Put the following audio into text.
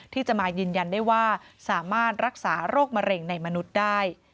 ที่จะมายืนยันได้ว่าสามารถรักษาโรคมะเร็งในมนุษย์ได้